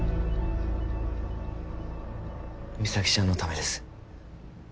実咲ちゃんのためです